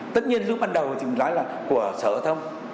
tất nhiên lúc bắt đầu thì nói là của sở hợp thông